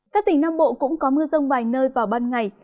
các tỉnh nam bộ cũng có mưa rông vài nơi vào ban ngày